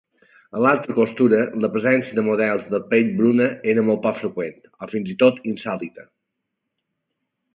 A l'alta costura, la presència de models de pell bruna era molt poc freqüent o, fins i tot, insòlita.